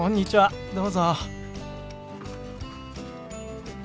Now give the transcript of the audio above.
どうぞ。